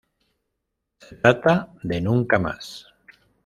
Se trata de Nunca Más.